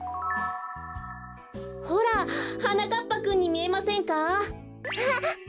ほらはなかっぱくんにみえませんか？